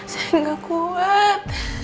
saya gak kuat